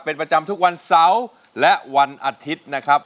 เป็นประจำทุกวันเสาร์และวันอาทิตย์นะครับ